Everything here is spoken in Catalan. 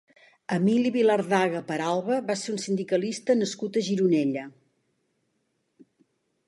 Emili Vilardaga Peralba va ser un sindicalista nascut a Gironella.